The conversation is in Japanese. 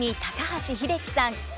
高橋英樹さん